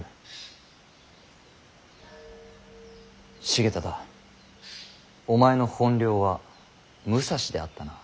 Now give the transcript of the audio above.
重忠お前の本領は武蔵であったな。